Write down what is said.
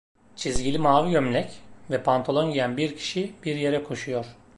Çizgili mavi gömlek ve pantolon giyen bir kişi bir yere koşuyor.